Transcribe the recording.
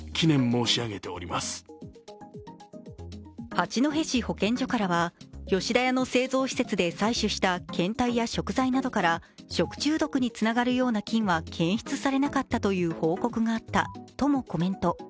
八戸市の保健所からは吉田屋の製造施設で採取した検体や食材などから食中毒につながるような菌は検出されなかったという報告があったともコメント。